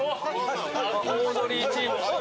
オードリーチーム。